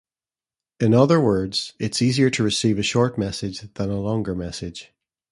In other words it's easier to receive a short message than a longer message.